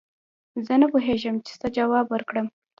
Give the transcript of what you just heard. زه نه پوهېږم چې څه جواب ورکړم